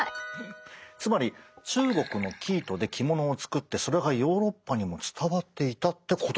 つまり中国の生糸で着物を作ってそれがヨーロッパにも伝わっていたってことですよね。